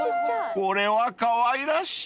［これはかわいらしい］